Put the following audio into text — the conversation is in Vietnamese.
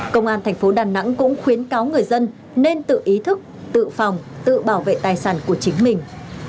công an thành phố đà nẵng cũng khuyến cáo người dân nên tự ý thức tự phòng tự bảo vệ tài sản của chính mình